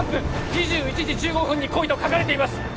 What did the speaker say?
「２１時１５分に来い」と書かれています